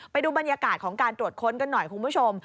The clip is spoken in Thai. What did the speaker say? ไปดูบรรยากาศของการตรวจค้นกันหน่อยคุณผู้ชม